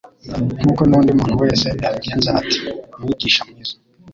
nk'uko n'undi muntu wese yabigenza, ati: "Mwigisha mwiza,